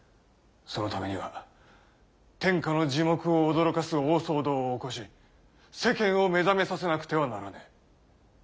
そのためには天下の耳目を驚かす大騒動を起こし世間を目覚めさせなくてはならねぇ。